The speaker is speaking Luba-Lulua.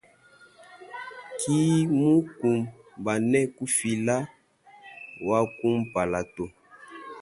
Kimukumbana kufika wakumpala to.